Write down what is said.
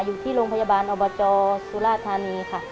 อยู่ที่โรงพยาบาลอบจสุราธานีค่ะ